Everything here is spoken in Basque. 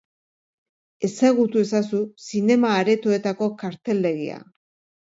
Ezagutu ezazu zinema-aretoetako karteldegia.